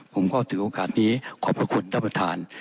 ผมก็ถือโอกาสนี้ขอบพระคุณท่านประธาน